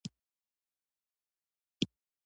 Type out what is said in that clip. ژوند، مال او آزادي